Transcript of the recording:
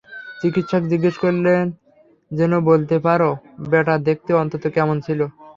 চিকিৎসক জিজ্ঞেস করলে যেন বলতে পারো ব্যাটা দেখতে অন্তত কেমন ছিল।